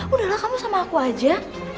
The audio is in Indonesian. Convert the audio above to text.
udahlah kamu sama aku aja